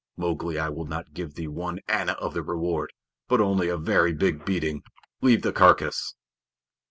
Mowgli, I will not give thee one anna of the reward, but only a very big beating. Leave the carcass!"